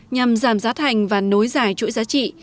nhằm giảm giá thành và nối dài chuỗi giá trị